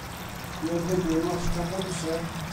Mi oedd hynny yn wastraff amser.